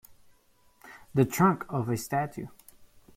The trunk of a statue.